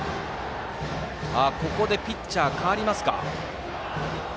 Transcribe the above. ここでピッチャー代わりますか。